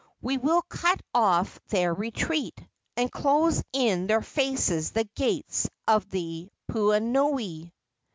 We will cut off their retreat, and close in their faces the gates of the puhonui!"